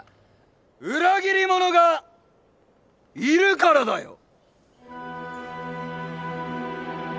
裏切り者がいるからだよ！